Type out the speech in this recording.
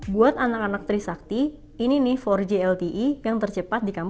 buat anak anak trisakti ini nih empat g lte yang tercepat di kampung